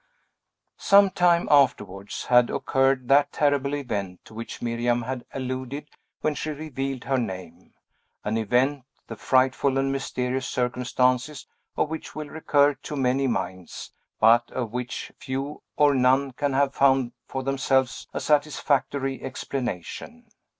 Some time afterwards had occurred that terrible event to which Miriam had alluded when she revealed her name; an event, the frightful and mysterious circumstances of which will recur to many minds, but of which few or none can have found for themselves a satisfactory explanation.